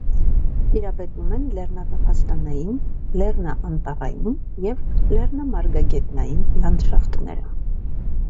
Տիրապետում են լեռնատափաստանային, լեռնաանտառային և լեռնամարգագետնային լանդշաֆտները։